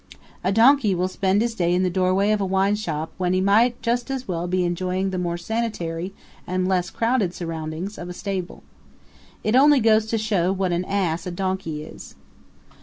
A donkey will spend his day in the doorway of a wine shop when he might just as well be enjoying the more sanitary and less crowded surroundings of a stable. It only goes to show what an ass a donkey is.